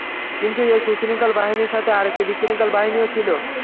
কিন্তু এই সুশৃঙ্খল বাহিনীর সাথে আরেকটি বিশৃঙ্খল বাহিনীও ছিল।